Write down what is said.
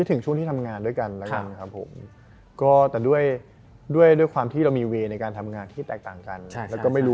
ตอนนั้นเขาพูดเสมอเหมือนกดดำเชียร์แหละ